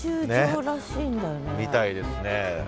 みたいですね。